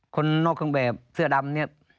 คนนอกเครื่องแบบเสื้อดำเนี่ย